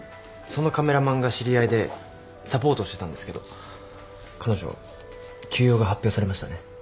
そのカメラマンが知り合いでサポートしてたんですけど彼女休養が発表されましたね。